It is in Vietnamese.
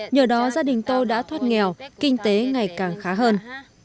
nhờ đó gia đình tôi đã thoát nghèo kinh tế ngày càng khá hơn